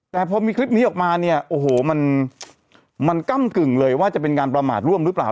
แต่พอมีคลิปนี้ออกมาเนี่ยโอ้โหมันก้ำกึ่งเลยว่าจะเป็นการประมาทร่วมหรือเปล่า